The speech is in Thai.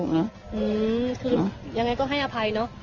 อืมคือยังไงก็ให้อภัยเนอะ